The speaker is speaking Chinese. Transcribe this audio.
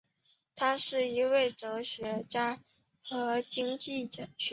他是一位哲学家和经济学家。